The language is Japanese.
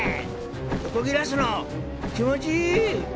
横切らすの気持ちいい。